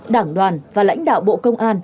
đảng đoàn và lãnh đạo bộ trưởng hà nội